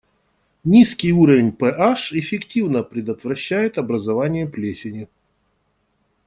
Низкий уровень pH (пэ-аш) эффективно предотвращает образование плесени.